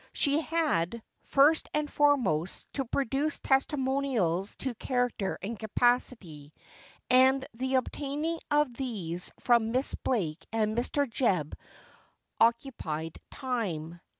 She had, first and foremost, to produce testimonials to character and capacity, and the obtaining of these from Miss Blake and Mr. J ebb occu pied time.